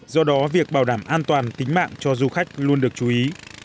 do đó việc bảo đảm an toàn tính mạng cho du khách luôn được chú ý